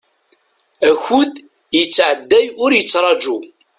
Akud yettɛedday ur yettraju.